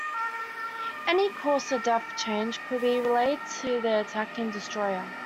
Any course or depth change could be relayed to the attacking destroyer.